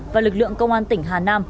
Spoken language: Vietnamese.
và lực lượng công an tỉnh hà nam